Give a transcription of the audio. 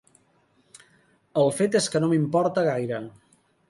El fet és que no m'importa gaire.